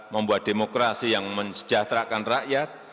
membuat demokrasi yang mensejahterakan rakyat